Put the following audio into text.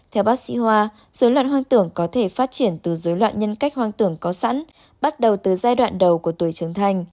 theo bác sĩ hoa dối loạn hoang tưởng có thể phát triển từ dối loạn nhân cách hoang tưởng có sẵn bắt đầu từ giai đoạn đầu của tuổi trưởng thành